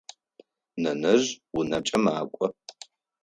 Нэнэжъ унэмкӏэ макӏо.